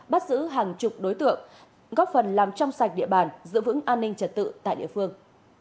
bắt giữ hàng chục đối tượng góp phần làm trong sạch địa bàn giữ vững an ninh trật tự tại địa phương